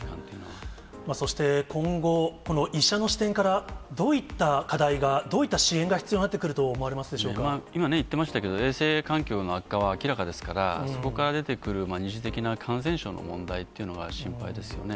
そして今後、この医者の視点から、どういった課題が、どういった支援が必要になってくると思今ね、言ってましたけど、衛生環境の悪化は明らかですから、そこから出てくる二次的な感染症の問題っていうのが心配ですよね。